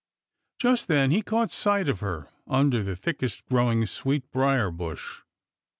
Just then he caught sight of her under the thickest growing sweet briar bush.